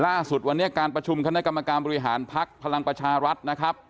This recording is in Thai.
ล่าสุดวันนี้การประชุมคณะกรรมการบริหารภักดิ์พลังประชารัฐนะครับ